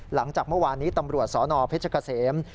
หลังจากเมื่อวานนี้ตำรวจสนเพชรเกษม